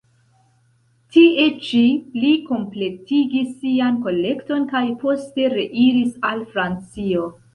Tie ĉi li kompletigis sian kolekton kaj poste reiris al Francio.